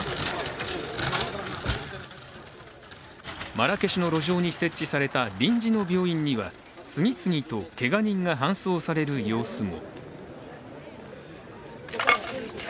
マラケシュの路上に設置された臨時の病院には次々とけが人が搬送される様子も。